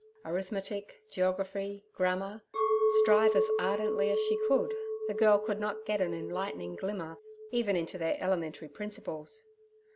Arithmetic, geography, grammar—strive as ardently as she could, the girl could not get an enlightening glimmer even into their elementary principles.